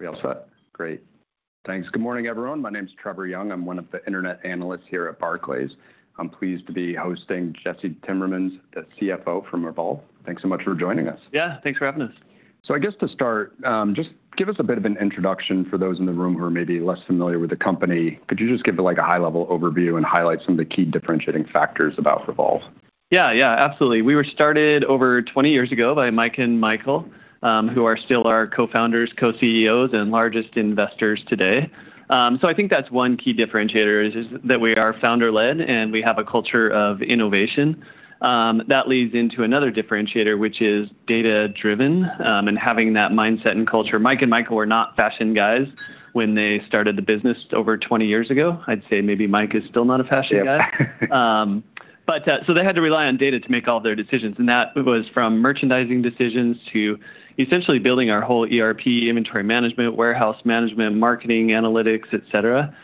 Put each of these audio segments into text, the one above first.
We're all set. Great. Thanks. Good morning, everyone. My name's Trevor Young. I'm one of the internet analysts here at Barclays. I'm pleased to be hosting Jesse Timmermans, the CFO from Revolve Group Inc. Thanks so much for joining us. Yeah, thanks for having us. So I guess to start, just give us a bit of an introduction for those in the room who are maybe less familiar with the company. Could you just give a high-level overview and highlight some of the key differentiating factors about Revolve? Yeah, yeah, absolutely. We were started over 20 years ago by Mike and Michael, who are still our co-founders, co-CEOs, and largest investors today. So I think that's one key differentiator, is that we are founder-led and we have a culture of innovation. That leads into another differentiator, which is data-driven and having that mindset and culture. Mike and Michael were not fashion guys when they started the business over 20 years ago. I'd say maybe Mike is still not a fashion guy. But so they had to rely on data to make all of their decisions, and that was from merchandising decisions to essentially building our whole ERP, inventory management, warehouse management, marketing, analytics, et cetera,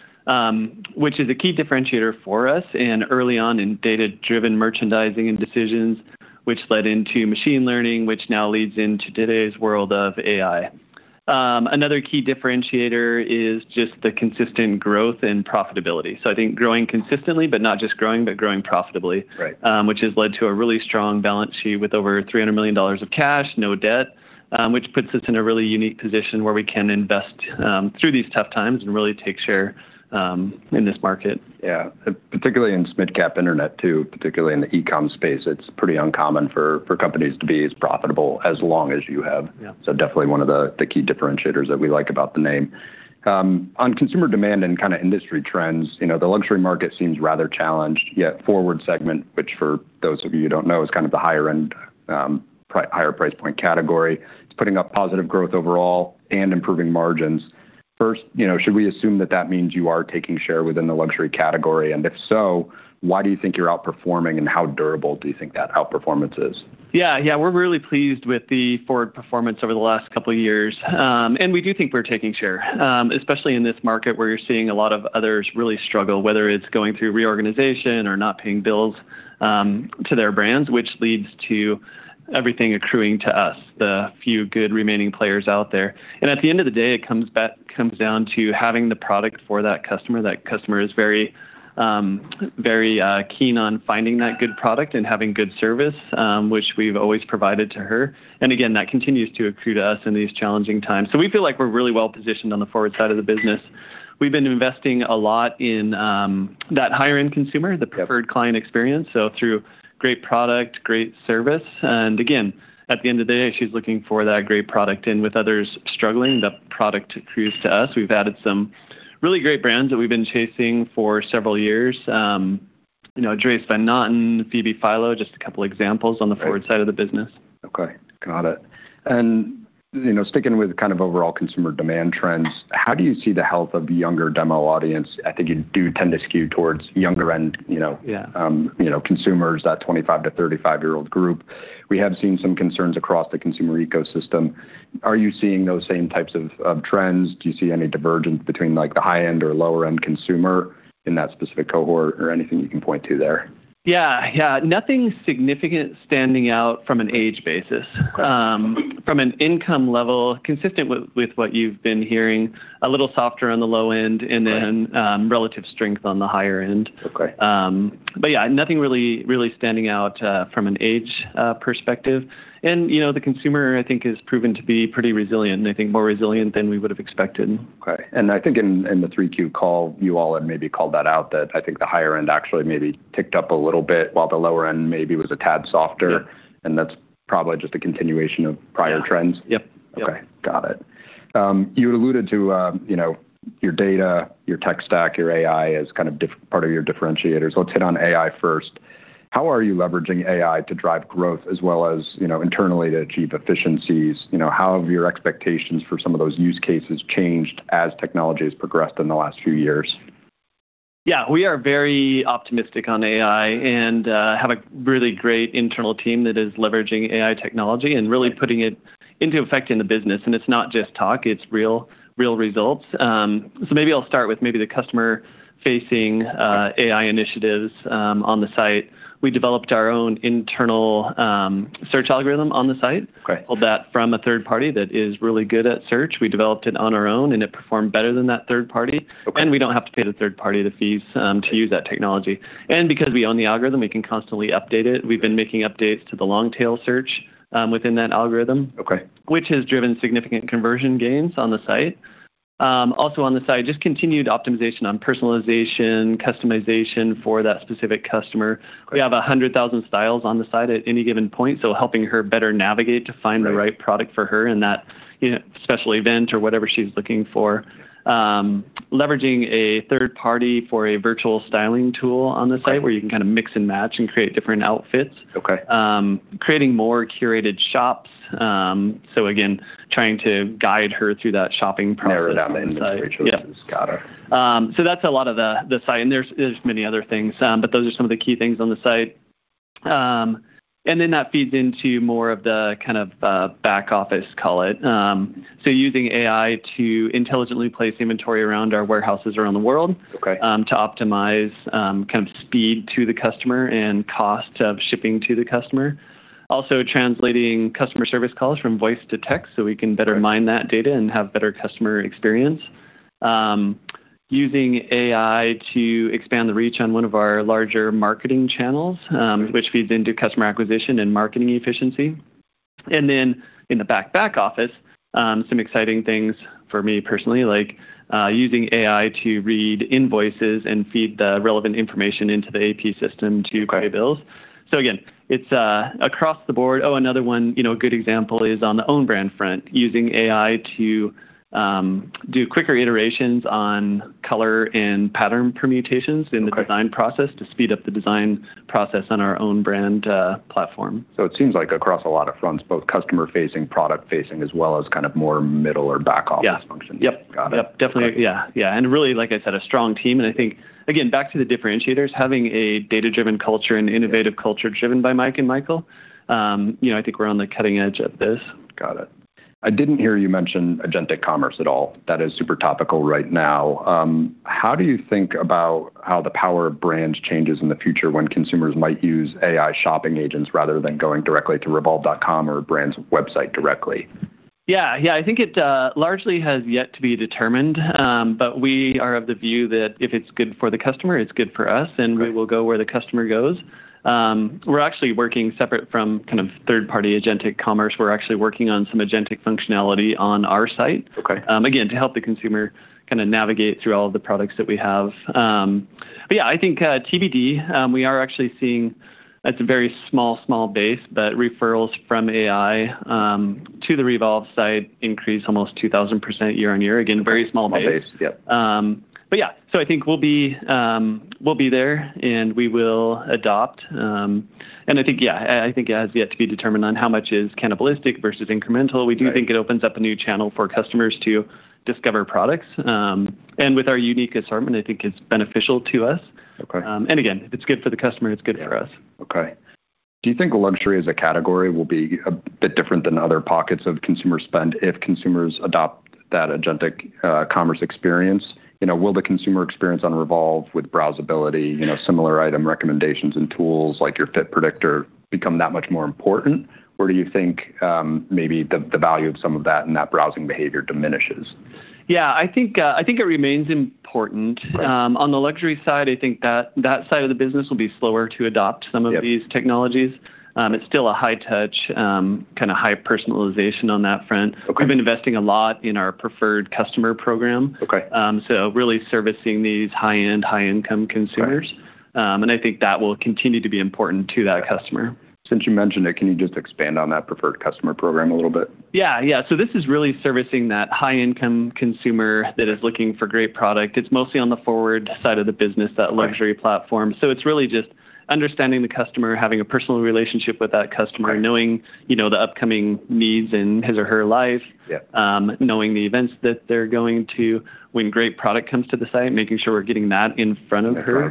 which is a key differentiator for us, and early on in data-driven merchandising and decisions, which led into machine learning, which now leads into today's world of AI. Another key differentiator is just the consistent growth and profitability. So I think growing consistently, but not just growing, but growing profitably, which has led to a really strong balance sheet with over $300 million of cash, no debt, which puts us in a really unique position where we can invest through these tough times and really take share in this market. Yeah, particularly in mid-cap internet too, particularly in the e-com space, it's pretty uncommon for companies to be as profitable as long as you have. So definitely one of the key differentiators that we like about the name. On consumer demand and kind of industry trends, the luxury market seems rather challenged, yet FWRD segment, which for those of you who don't know, is kind of the higher-end, higher price point category. It's putting up positive growth overall and improving margins. First, should we assume that that means you are taking share within the luxury category? And if so, why do you think you're outperforming and how durable do you think that outperformance is? Yeah, yeah, we're really pleased with the FWRD performance over the last couple of years. And we do think we're taking share, especially in this market where you're seeing a lot of others really struggle, whether it's going through reorganization or not paying bills to their brands, which leads to everything accruing to us, the few good remaining players out there. And at the end of the day, it comes down to having the product for that customer. That customer is very keen on finding that good product and having good service, which we've always provided to her. And again, that continues to accrue to us in these challenging times. So we feel like we're really well positioned on the FWRD side of the business. We've been investing a lot in that higher-end consumer, the preferred client experience. So through great product, great service. And again, at the end of the day, she's looking for that great product. And with others struggling, the product accrues to us. We've added some really great brands that we've been chasing for several years, Dries Van Noten, Phoebe Philo, just a couple of examples on the FWRD side of the business. Okay, got it. And sticking with kind of overall consumer demand trends, how do you see the health of the younger demo audience? I think you do tend to skew towards younger-end consumers, that 25-35-year-old group. We have seen some concerns across the consumer ecosystem. Are you seeing those same types of trends? Do you see any divergence between the high-end or lower-end consumer in that specific cohort or anything you can point to there? Yeah, yeah, nothing significant standing out from an age basis. From an income level, consistent with what you've been hearing, a little softer on the low end and then relative strength on the higher end, but yeah, nothing really standing out from an age perspective, and the consumer, I think, has proven to be pretty resilient, and I think more resilient than we would have expected. Okay. And I think in the Q3 call, you all had maybe called that out that I think the higher-end actually maybe ticked up a little bit while the lower-end maybe was a tad softer. And that's probably just a continuation of prior trends. Yep. Okay, got it. You alluded to your data, your tech stack, your AI as kind of part of your differentiators. Let's hit on AI first. How are you leveraging AI to drive growth as well as internally to achieve efficiencies? How have your expectations for some of those use cases changed as technology has progressed in the last few years? Yeah, we are very optimistic on AI and have a really great internal team that is leveraging AI technology and really putting it into effect in the business. And it's not just talk, it's real results. So maybe I'll start with maybe the customer-facing AI initiatives on the site. We developed our own internal search algorithm on the site. We pulled that from a third party that is really good at search. We developed it on our own, and it performed better than that third party. And we don't have to pay the third party the fees to use that technology. And because we own the algorithm, we can constantly update it. We've been making updates to the long-tail search within that algorithm, which has driven significant conversion gains on the site. Also on the site, just continued optimization on personalization, customization for that specific customer. We have 100,000 styles on the site at any given point, so helping her better navigate to find the right product for her in that special event or whatever she's looking for. Leveraging a third party for a virtual styling tool on the site where you can kind of mix and match and create different outfits. Creating more curated shops. So again, trying to guide her through that shopping process. Narrow down the inventory choices. Got it. So that's a lot of the site. And there's many other things, but those are some of the key things on the site. And then that feeds into more of the kind of back office, call it. So using AI to intelligently place inventory around our warehouses around the world to optimize kind of speed to the customer and cost of shipping to the customer. Also translating customer service calls from voice to text so we can better mine that data and have better customer experience. Using AI to expand the reach on one of our larger marketing channels, which feeds into customer acquisition and marketing efficiency. And then in the back-back office, some exciting things for me personally, like using AI to read invoices and feed the relevant information into the AP system to pay bills. So again, it's across the board. Oh, another good example is on the own brand front, using AI to do quicker iterations on color and pattern permutations in the design process to speed up the design process on our own brand platform. So it seems like across a lot of fronts, both customer-facing, product-facing, as well as kind of more middle or back-office functions. Yep, yep, definitely. Yeah, yeah. And really, like I said, a strong team. And I think, again, back to the differentiators, having a data-driven culture and innovative culture driven by Mike and Michael, I think we're on the cutting edge of this. Got it. I didn't hear you mention agentic commerce at all. That is super topical right now. How do you think about how the power of brands changes in the future when consumers might use AI shopping agents rather than going directly to revolve.com or brand's website directly? Yeah, yeah, I think it largely has yet to be determined, but we are of the view that if it's good for the customer, it's good for us, and we will go where the customer goes. We're actually working separate from kind of third-party agentic commerce. We're actually working on some agentic functionality on our site, again, to help the consumer kind of navigate through all of the products that we have. But yeah, I think TBD, we are actually seeing a very small, small base, but referrals from AI to the Revolve site increase almost 2,000% year on year. Again, very small base. Small base, yep. But yeah, so I think we'll be there, and we will adopt. And I think, yeah, I think it has yet to be determined on how much is cannibalistic versus incremental. We do think it opens up a new channel for customers to discover products. And with our unique assortment, I think it's beneficial to us. And again, if it's good for the customer, it's good for us. Okay. Do you think luxury as a category will be a bit different than other pockets of consumer spend if consumers adopt that agentic commerce experience? Will the consumer experience on Revolve with browsability, similar item recommendations and tools like your fit predictor become that much more important? Or do you think maybe the value of some of that and that browsing behavior diminishes? Yeah, I think it remains important. On the luxury side, I think that side of the business will be slower to adopt some of these technologies. It's still a high-touch, kind of high personalization on that front. We've been investing a lot in our preferred customer program, so really servicing these high-end, high-income consumers. And I think that will continue to be important to that customer. Since you mentioned it, can you just expand on that preferred customer program a little bit? Yeah, yeah. So this is really servicing that high-income consumer that is looking for great product. It's mostly on the FWRD side of the business, that luxury platform. So it's really just understanding the customer, having a personal relationship with that customer, knowing the upcoming needs in his or her life, knowing the events that they're going to when great product comes to the site, making sure we're getting that in front of her.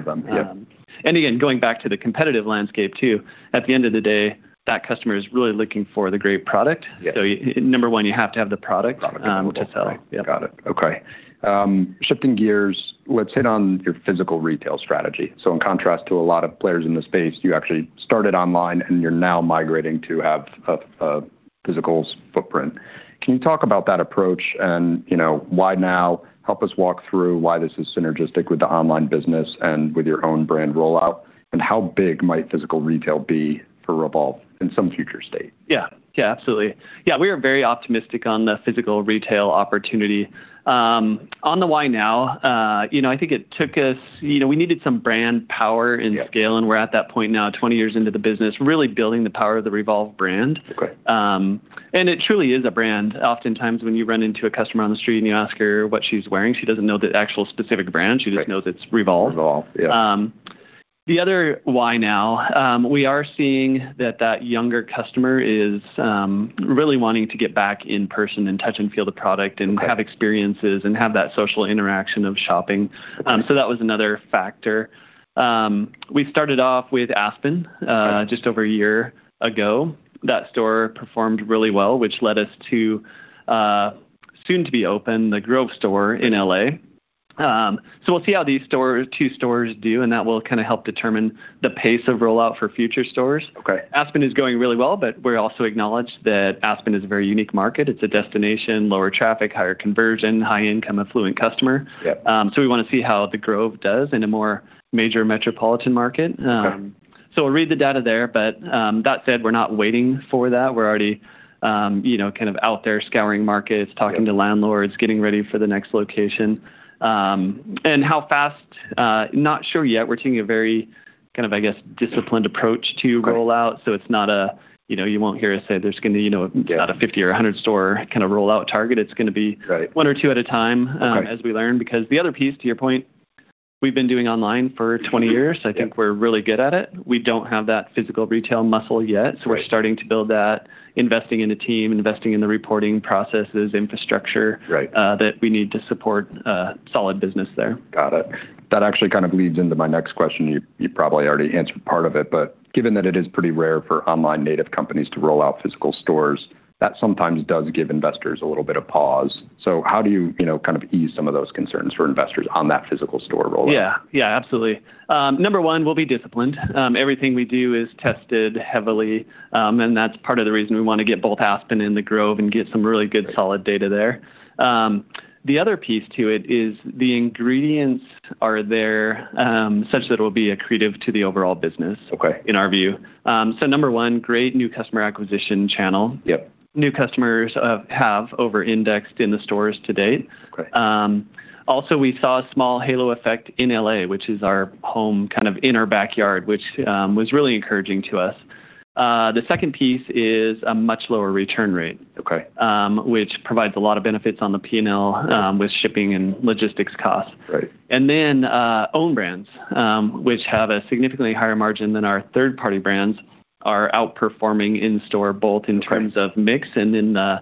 And again, going back to the competitive landscape too, at the end of the day, that customer is really looking for the great product. So number one, you have to have the product to sell. Got it. Got it. Okay. Shifting gears, let's hit on your physical retail strategy. So in contrast to a lot of players in the space, you actually started online and you're now migrating to have a physical footprint. Can you talk about that approach and why now? Help us walk through why this is synergistic with the online business and with your own brand rollout, and how big might physical retail be for Revolve in some future state? Yeah, yeah, absolutely. Yeah, we are very optimistic on the physical retail opportunity. On the why now, I think it took us, we needed some brand power and scale, and we're at that point now, 20 years into the business, really building the power of the Revolve brand. And it truly is a brand. Oftentimes when you run into a customer on the street and you ask her what she's wearing, she doesn't know the actual specific brand. She just knows it's Revolve. The other why now, we are seeing that that younger customer is really wanting to get back in person and touch and feel the product and have experiences and have that social interaction of shopping. So that was another factor. We started off with Aspen just over a year ago. That store performed really well, which led us to soon to be open The Grove store in LA. So we'll see how these two stores do, and that will kind of help determine the pace of rollout for future stores. Aspen is going really well, but we also acknowledge that Aspen is a very unique market. It's a destination, lower traffic, higher conversion, high-income, affluent customer. So we want to see how The Grove does in a more major metropolitan market. So we'll read the data there, but that said, we're not waiting for that. We're already kind of out there scouring markets, talking to landlords, getting ready for the next location. And how fast? Not sure yet. We're taking a very kind of, I guess, disciplined approach to rollout. So it's not, you won't hear us say there's going to be about a 50 or 100 store kind of rollout target. It's going to be one or two at a time as we learn. Because the other piece, to your point, we've been doing online for 20 years. I think we're really good at it. We don't have that physical retail muscle yet. So we're starting to build that, investing in a team, investing in the reporting processes, infrastructure that we need to support a solid business there. Got it. That actually kind of leads into my next question. You probably already answered part of it, but given that it is pretty rare for online native companies to roll out physical stores, that sometimes does give investors a little bit of pause. So how do you kind of ease some of those concerns for investors on that physical store rollout? Yeah, yeah, absolutely. Number one, we'll be disciplined. Everything we do is tested heavily, and that's part of the reason we want to get both Aspen and The Grove and get some really good solid data there. The other piece to it is the ingredients are there such that it will be accretive to the overall business in our view. So number one, great new customer acquisition channel. New customers have over-indexed in the stores to date. Also, we saw a small halo effect in LA, which is our home kind of in our backyard, which was really encouraging to us. The second piece is a much lower return rate, which provides a lot of benefits on the P&L with shipping and logistics costs. And then own brands, which have a significantly higher margin than our third-party brands, are outperforming in-store both in terms of mix and in the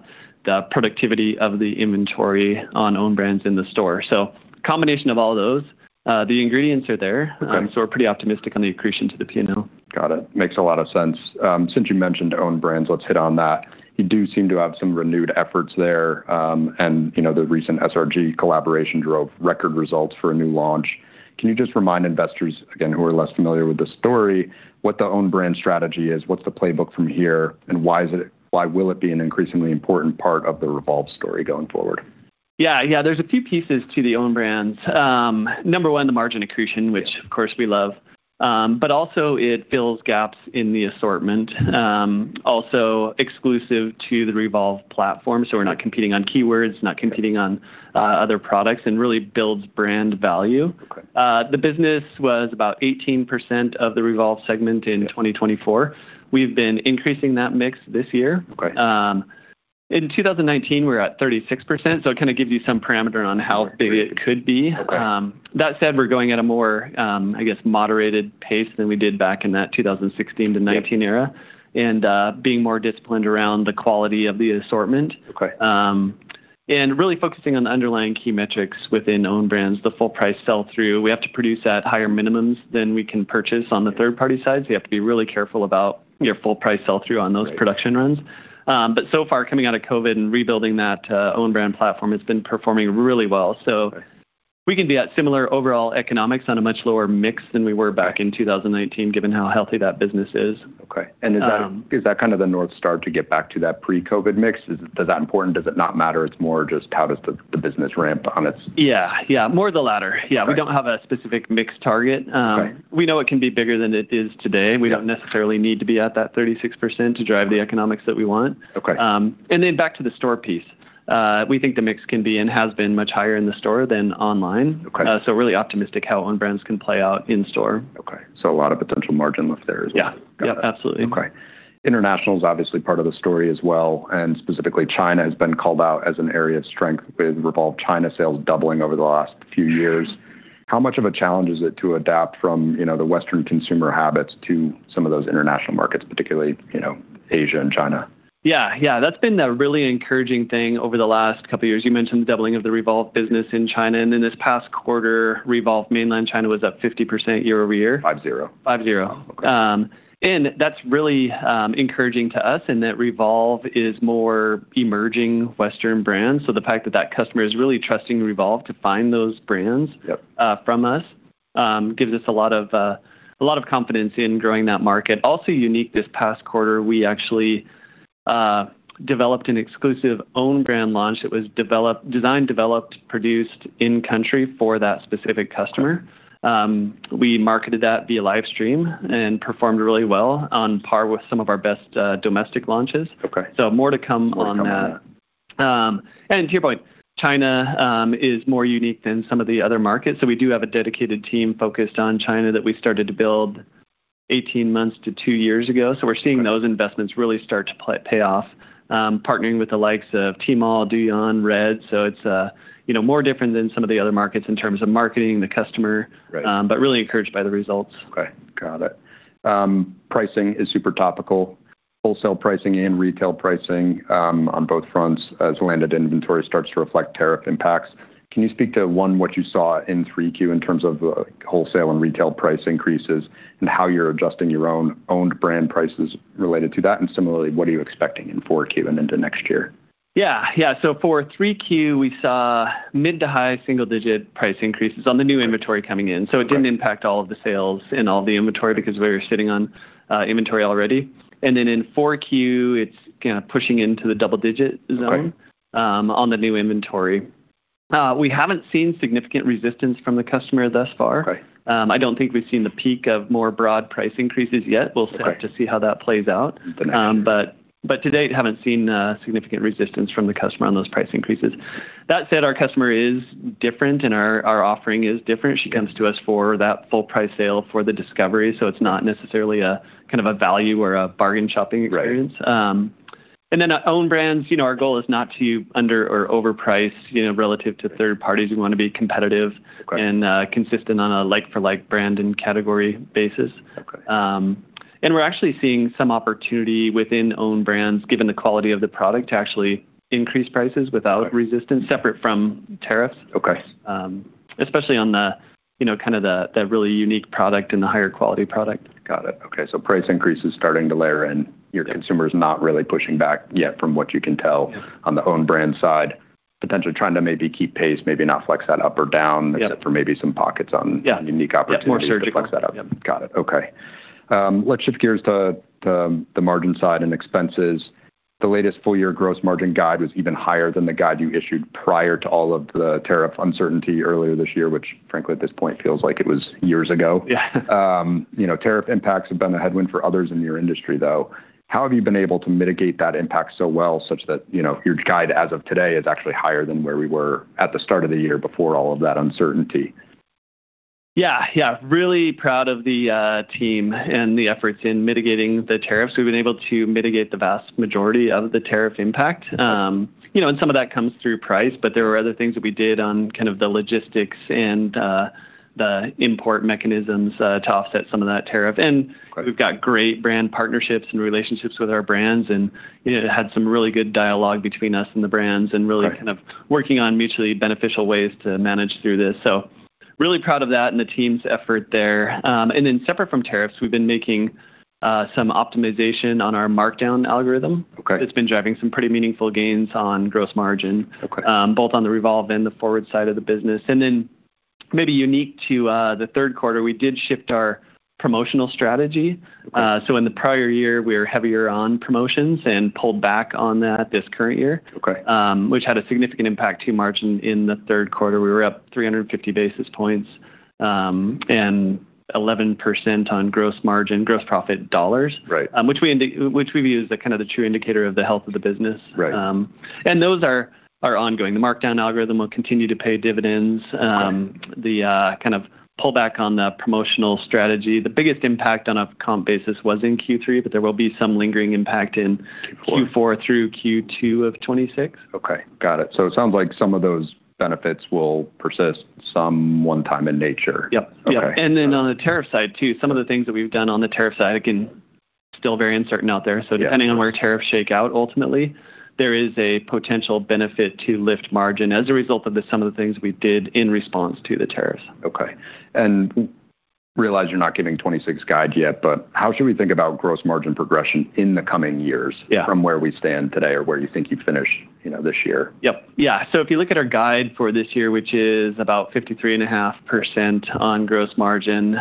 productivity of the inventory on own brands in the store. So combination of all those, the ingredients are there. So we're pretty optimistic on the accretion to the P&L. Got it. Makes a lot of sense. Since you mentioned own brands, let's hit on that. You do seem to have some renewed efforts there, and the recent SRG collaboration drove record results for a new launch. Can you just remind investors, again, who are less familiar with the story, what the own brand strategy is, what's the playbook from here, and why will it be an increasingly important part of the Revolve story going FWRD? Yeah, yeah. There's a few pieces to the own brands. Number one, the margin accretion, which of course we love, but also it fills gaps in the assortment. Also exclusive to the Revolve platform, so we're not competing on keywords, not competing on other products, and really builds brand value. The business was about 18% of the Revolve segment in 2024. We've been increasing that mix this year. In 2019, we're at 36%, so it kind of gives you some parameter on how big it could be. That said, we're going at a more, I guess, moderated pace than we did back in that 2016-2019 era and being more disciplined around the quality of the assortment. And really focusing on the underlying key metrics within own brands, the full price sell-through. We have to produce at higher minimums than we can purchase on the third-party side. So you have to be really careful about your full price sell-through on those production runs. But so far, coming out of COVID and rebuilding that own brand platform, it's been performing really well. So we can be at similar overall economics on a much lower mix than we were back in 2019, given how healthy that business is. Okay. And is that kind of the North Star to get back to that pre-COVID mix? Is that important? Does it not matter? It's more just how does the business ramp on its? Yeah, yeah. More the latter. Yeah. We don't have a specific mix target. We know it can be bigger than it is today. We don't necessarily need to be at that 36% to drive the economics that we want. And then back to the store piece, we think the mix can be and has been much higher in the store than online. So really optimistic how own brands can play out in-store. Okay. So a lot of potential margin left there as well. Yeah, yeah, absolutely. Okay. International is obviously part of the story as well, and specifically China has been called out as an area of strength with Revolve China sales doubling over the last few years. How much of a challenge is it to adapt from the Western consumer habits to some of those international markets, particularly Asia and China? Yeah, yeah. That's been a really encouraging thing over the last couple of years. You mentioned the doubling of the Revolve business in China, and in this past quarter, Revolve Mainland China was up 50% year over year. Five-zero. 50. And that's really encouraging to us in that Revolve is more emerging Western brands. So the fact that that customer is really trusting Revolve to find those brands from us gives us a lot of confidence in growing that market. Also unique, this past quarter, we actually developed an exclusive own brand launch that was designed, developed, produced in-country for that specific customer. We marketed that via live stream and performed really well on par with some of our best domestic launches. So more to come on that. And to your point, China is more unique than some of the other markets. So we do have a dedicated team focused on China that we started to build 18 months to two years ago. So we're seeing those investments really start to pay off, partnering with the likes of Tmall, Douyin, Red. So it's more different than some of the other markets in terms of marketing, the customer, but really encouraged by the results. Okay. Got it. Pricing is super topical. Wholesale pricing and retail pricing on both fronts has landed. Inventory starts to reflect tariff impacts. Can you speak to one, what you saw in 3Q in terms of wholesale and retail price increases and how you're adjusting your own brand prices related to that? And similarly, what are you expecting in 4Q and into next year? Yeah, yeah. So for 3Q, we saw mid to high single-digit price increases on the new inventory coming in. So it didn't impact all of the sales and all the inventory because we're sitting on inventory already. And then in 4Q, it's pushing into the double-digit zone on the new inventory. We haven't seen significant resistance from the customer thus far. I don't think we've seen the peak of more broad price increases yet. We'll have to see how that plays out. But to date, haven't seen significant resistance from the customer on those price increases. That said, our customer is different, and our offering is different. She comes to us for that full price sale for the discovery. So it's not necessarily a kind of a value or a bargain shopping experience. And then own brands, our goal is not to under or overprice relative to third parties. We want to be competitive and consistent on a like-for-like brand and category basis, and we're actually seeing some opportunity within own brands, given the quality of the product, to actually increase prices without resistance, separate from tariffs, especially on kind of that really unique product and the higher quality product. Got it. Okay, so price increase is starting to layer in. Your consumer is not really pushing back yet, from what you can tell, on the own brand side, potentially trying to maybe keep pace, maybe not flex that up or down, except for maybe some pockets on unique opportunities to flex that up. Yeah, more surgical. Got it. Okay. Let's shift gears to the margin side and expenses. The latest full-year gross margin guide was even higher than the guide you issued prior to all of the tariff uncertainty earlier this year, which frankly, at this point, feels like it was years ago. Tariff impacts have been a headwind for others in your industry, though. How have you been able to mitigate that impact so well such that your guide as of today is actually higher than where we were at the start of the year before all of that uncertainty? Yeah, yeah. Really proud of the team and the efforts in mitigating the tariffs. We've been able to mitigate the vast majority of the tariff impact. And some of that comes through price, but there were other things that we did on kind of the logistics and the import mechanisms to offset some of that tariff. And we've got great brand partnerships and relationships with our brands, and had some really good dialogue between us and the brands and really kind of working on mutually beneficial ways to manage through this. So really proud of that and the team's effort there. And then separate from tariffs, we've been making some optimization on our markdown algorithm. It's been driving some pretty meaningful gains on gross margin, both on the Revolve and the FWRD side of the business. And then maybe unique to the third quarter, we did shift our promotional strategy. So in the prior year, we were heavier on promotions and pulled back on that this current year, which had a significant impact to margin in the third quarter. We were up 350 basis points and 11% on gross margin, gross profit dollars, which we view as kind of the true indicator of the health of the business. And those are ongoing. The markdown algorithm will continue to pay dividends. The kind of pullback on the promotional strategy, the biggest impact on a comp basis was in Q3, but there will be some lingering impact in Q4 through Q2 of 2026. Okay. Got it. So it sounds like some of those benefits will persist, some one-time in nature. Yep. And then on the tariff side too, some of the things that we've done on the tariff side, again, still very uncertain out there. So depending on where tariffs shake out, ultimately, there is a potential benefit to lift margin as a result of some of the things we did in response to the tariffs. Okay, and realize you're not giving 2026 guide yet, but how should we think about gross margin progression in the coming years from where we stand today or where you think you finish this year? Yep. Yeah. So if you look at our guide for this year, which is about 53.5% on gross margin,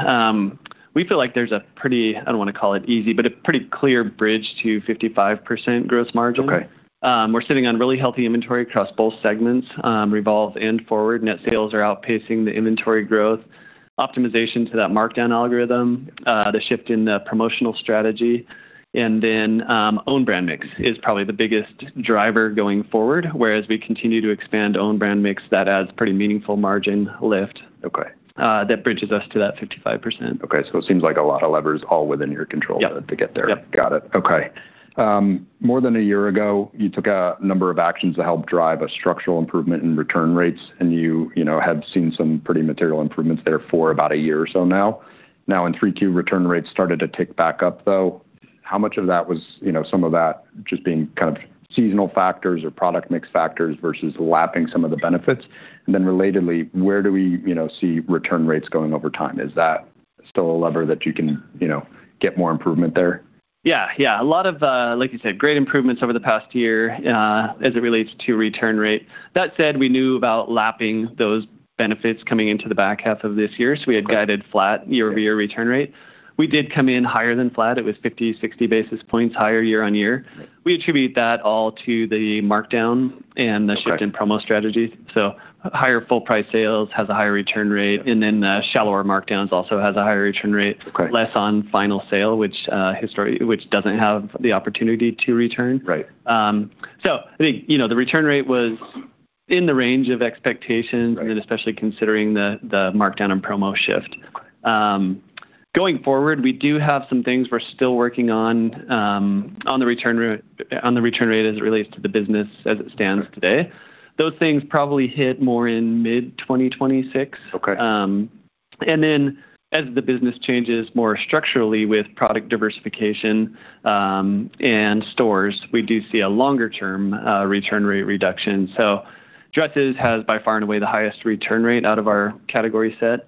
we feel like there's a pretty, I don't want to call it easy, but a pretty clear bridge to 55% gross margin. We're sitting on really healthy inventory across both segments, Revolve and FWRD. Net sales are outpacing the inventory growth. Optimization to that markdown algorithm, the shift in the promotional strategy, and then own brand mix is probably the biggest driver going FWRD. Whereas we continue to expand own brand mix, that adds pretty meaningful margin lift that bridges us to that 55%. Okay, so it seems like a lot of levers all within your control to get there. Yep. Got it. Okay. More than a year ago, you took a number of actions to help drive a structural improvement in return rates, and you had seen some pretty material improvements there for about a year or so now. Now in 3Q, return rates started to tick back up, though. How much of that was some of that just being kind of seasonal factors or product mix factors versus lapping some of the benefits? And then relatedly, where do we see return rates going over time? Is that still a lever that you can get more improvement there? Yeah, yeah. A lot of, like you said, great improvements over the past year as it relates to return rate. That said, we knew about lapping those benefits coming into the back half of this year. So we had guided flat year-over-year return rate. We did come in higher than flat. It was 50-60 basis points higher year on year. We attribute that all to the markdown and the shift in promo strategies. So higher full price sales has a higher return rate, and then the shallower markdowns also has a higher return rate, less on final sale, which doesn't have the opportunity to return. So I think the return rate was in the range of expectations, and then especially considering the markdown and promo shift. Going FWRD, we do have some things we're still working on the return rate as it relates to the business as it stands today. Those things probably hit more in mid-2026. And then as the business changes more structurally with product diversification and stores, we do see a longer-term return rate reduction. So dresses has by far and away the highest return rate out of our category set.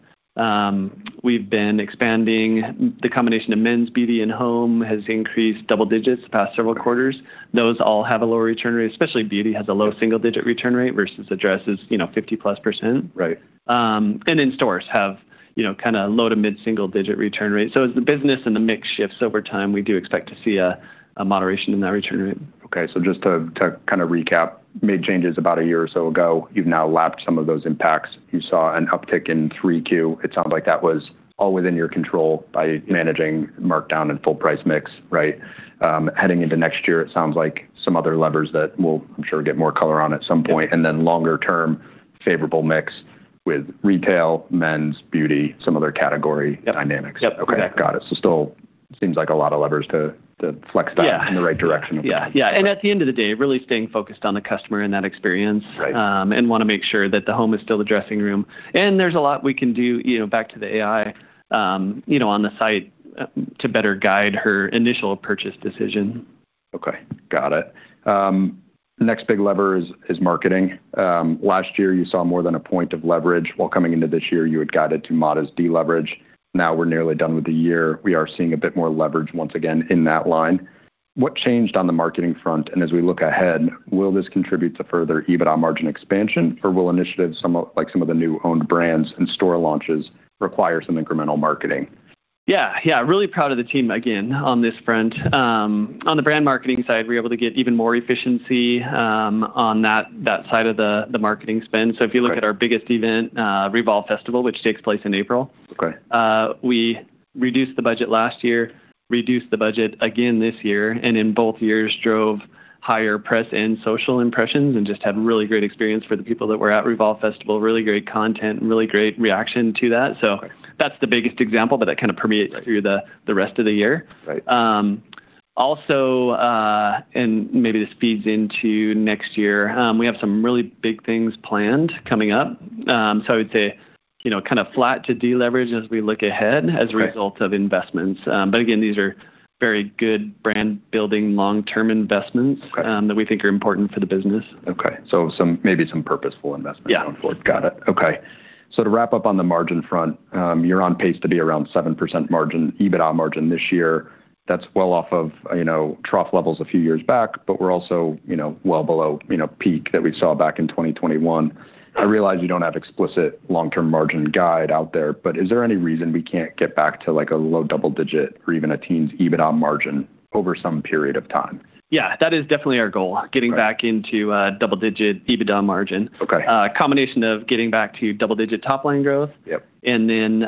We've been expanding. The combination of men's, beauty, and home has increased double digits the past several quarters. Those all have a lower return rate, especially beauty has a low single-digit return rate versus the dresses, 50-plus%. And then stores have kind of low to mid-single-digit return rate. So as the business and the mix shifts over time, we do expect to see a moderation in that return rate. Okay, so just to kind of recap, made changes about a year or so ago. You've now lapped some of those impacts. You saw an uptick in 3Q. It sounds like that was all within your control by managing markdown and full price mix, right? Heading into next year, it sounds like some other levers that we'll, I'm sure, get more color on at some point, and then longer-term favorable mix with retail, men's, beauty, some other category dynamics. Yep, exactly. Okay. Got it. So still seems like a lot of levers to flex that in the right direction. Yeah, yeah. And at the end of the day, really staying focused on the customer and that experience and want to make sure that the home is still the dressing room. And there's a lot we can do back to the AI on the site to better guide her initial purchase decision. Okay. Got it. The next big lever is marketing. Last year, you saw more than a point of leverage. While coming into this year, you had guided to modest deleverage. Now we're nearly done with the year. We are seeing a bit more leverage once again in that line. What changed on the marketing front? And as we look ahead, will this contribute to further EBITDA margin expansion, or will initiatives like some of the new owned brands and store launches require some incremental marketing? Yeah, yeah. Really proud of the team again on this front. On the brand marketing side, we're able to get even more efficiency on that side of the marketing spend. So if you look at our biggest event, Revolve Festival, which takes place in April, we reduced the budget last year, reduced the budget again this year, and in both years drove higher press and social impressions and just had a really great experience for the people that were at Revolve Festival. Really great content and really great reaction to that. So that's the biggest example, but that kind of permeates through the rest of the year. Also, and maybe this feeds into next year, we have some really big things planned coming up. So I would say kind of flat to deleverage as we look ahead as a result of investments. But again, these are very good brand-building long-term investments that we think are important for the business. Okay, so maybe some purposeful investment going FWRD. Yeah. Got it. Okay. So to wrap up on the margin front, you're on pace to be around 7% margin, EBITDA margin this year. That's well off of trough levels a few years back, but we're also well below peak that we saw back in 2021. I realize you don't have explicit long-term margin guide out there, but is there any reason we can't get back to a low double digit or even a teens EBITDA margin over some period of time? Yeah. That is definitely our goal, getting back into double-digit EBITDA margin. Combination of getting back to double-digit top line growth and then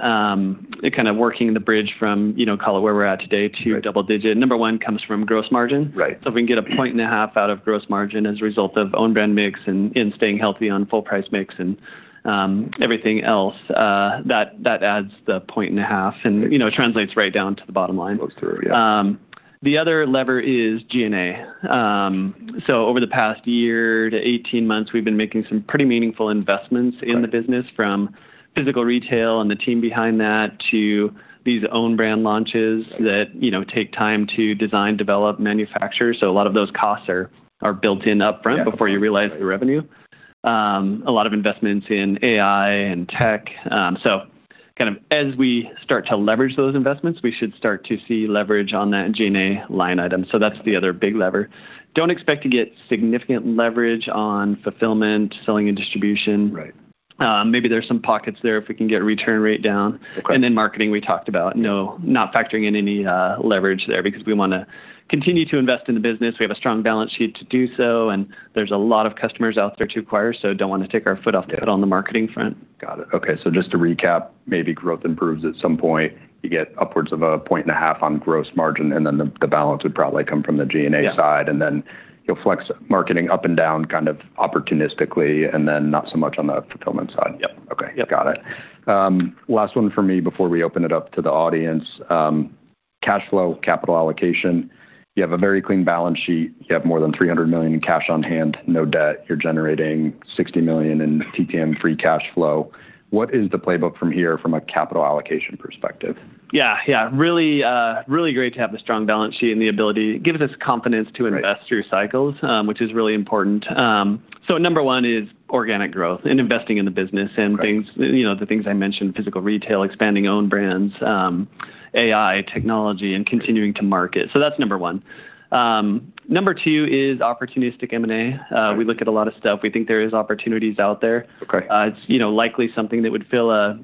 kind of working the bridge from, call it where we're at today, to double-digit. Number one comes from gross margin. So if we can get 1.5 points out of gross margin as a result of own brand mix and staying healthy on full price mix and everything else, that adds the 1.5 points and translates right down to the bottom line. Goes through, yeah. The other lever is G&A. So over the past year to 18 months, we've been making some pretty meaningful investments in the business from physical retail and the team behind that to these own brand launches that take time to design, develop, manufacture. So a lot of those costs are built in upfront before you realize the revenue. A lot of investments in AI and tech. So kind of as we start to leverage those investments, we should start to see leverage on that G&A line item. So that's the other big lever. Don't expect to get significant leverage on fulfillment, selling, and distribution. Maybe there's some pockets there if we can get return rate down. And then marketing we talked about, not factoring in any leverage there because we want to continue to invest in the business. We have a strong balance sheet to do so, and there's a lot of customers out there to acquire, so don't want to take our foot off the gas on the marketing front. Got it. Okay. So just to recap, maybe growth improves at some point. You get upwards of a point and a half on gross margin, and then the balance would probably come from the G&A side. And then you'll flex marketing up and down kind of opportunistically and then not so much on the fulfillment side. Yep. Okay. Got it. Last one for me before we open it up to the audience. Cash flow, capital allocation. You have a very clean balance sheet. You have more than $300 million in cash on hand, no debt. You're generating $60 million in TTM free cash flow. What is the playbook from here from a capital allocation perspective? Yeah, yeah. Really great to have a strong balance sheet and the ability gives us confidence to invest through cycles, which is really important. So number one is organic growth and investing in the business and the things I mentioned, physical retail, expanding own brands, AI, technology, and continuing to market. So that's number one. Number two is opportunistic M&A. We look at a lot of stuff. We think there are opportunities out there. It's likely something that would fill a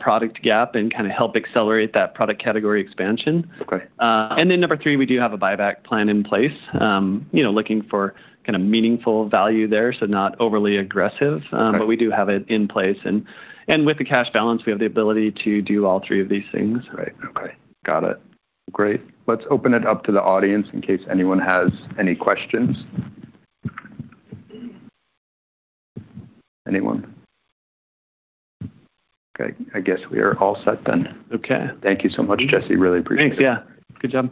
product gap and kind of help accelerate that product category expansion. And then number three, we do have a buyback plan in place, looking for kind of meaningful value there, so not overly aggressive, but we do have it in place. And with the cash balance, we have the ability to do all three of these things. Right. Okay. Got it. Great. Let's open it up to the audience in case anyone has any questions. Anyone? Okay. I guess we are all set then. Okay. Thank you so much, Jesse. Really appreciate it. Thanks. Yeah. Good job.